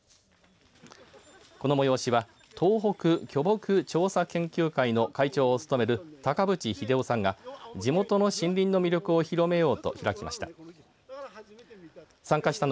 この催しは東北巨木調査研究会の会長を務める高渕英夫さんが地元の森林の魅力を広めようと開きました。